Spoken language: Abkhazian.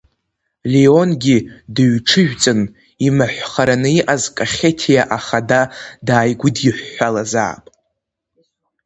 Леонгьы дыҩҽыжәҵын, имаҳәхараны иҟаз Кахеҭиа ахада дааигәыдиҳәҳәалазаап.